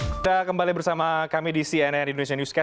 kita kembali bersama kami di cnn indonesia newscast